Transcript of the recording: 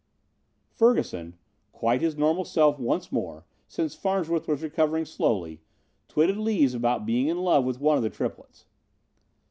Ferguson, quite his normal self once more, since Farnsworth was recovering slowly, twitted Lees about being in love with one of the triplets.